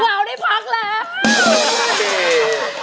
เราได้พักแล้ว